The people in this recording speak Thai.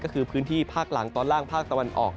ก็คือพื้นที่ภาคหลังตอนล่างภาคตะวันออก